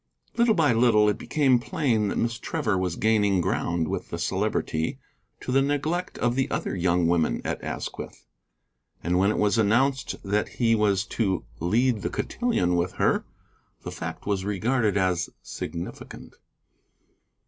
Little by little it became plain that Miss Trevor was gaining ground with the Celebrity to the neglect of the other young women at Asquith, and when it was announced that he was to lead the cotillon with her, the fact was regarded as significant.